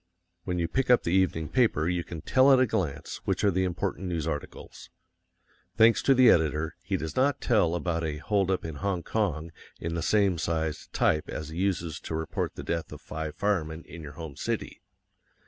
When you pick up the evening paper you can tell at a glance which are the important news articles. Thanks to the editor, he does not tell about a "hold up" in Hong Kong in the same sized type as he uses to report the death of five firemen in your home city.